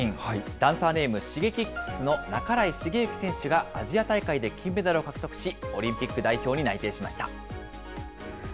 ダンサーネーム、Ｓｈｉｇｅｋｉｘの半井重幸選手がアジア大会で金メダルを獲得し、オリンピック代表に内定しました。